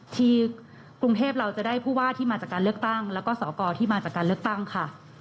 ที่กรุงเทพเราจะได้ผู้ว่าที่มาจากการเลือกตั้งแล้วก็สกที่มาจากการเลือกตั้งค่ะ